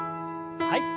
はい。